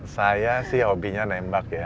saya sih hobinya nembak ya